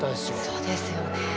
そうですよね。